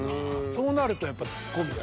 そうなるとやっぱツッコミが。